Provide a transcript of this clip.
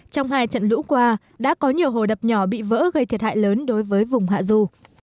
trong hai trận lũ qua đã có nhiều hồ đập nhỏ bị vỡ gây thiệt hại lớn đối với vùng hạ du